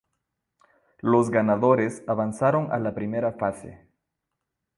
Los ganadores avanzaron a la primera fase.